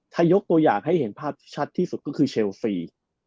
ถ้ายกตัวอย่างให้เห็นภาพที่ชัดที่สุดก็คือเชลฟรี